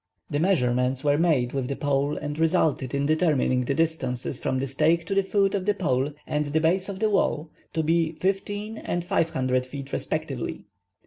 The measurements were made with the pole and resulted in determining the distances from the stake to the foot of the pole and the base of the wall to be 15 and 500 feet respectively.